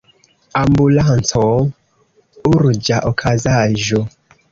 Ambulanco: Urĝa okazaĵo.